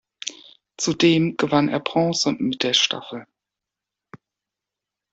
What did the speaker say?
Zudem gewann er Bronze mit der Staffel.